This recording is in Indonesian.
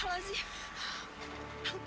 mohonlah ampun pada allah